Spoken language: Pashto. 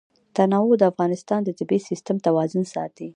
تنوع د افغانستان د طبعي سیسټم توازن ساتي.